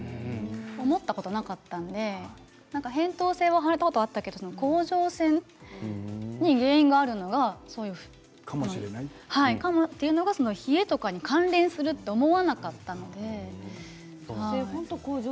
思ったことがなかったのでへんとう腺が腫れたことはあったけど甲状腺かもしれないというのは冷えと関連すると思っていなかったので。